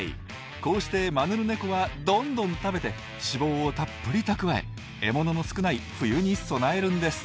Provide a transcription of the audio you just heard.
こうしてマヌルネコはどんどん食べて脂肪をたっぷり蓄え獲物の少ない冬に備えるんです。